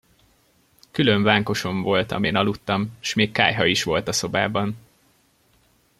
Külön vánkosom volt, amin aludtam, s még kályha is volt a szobában.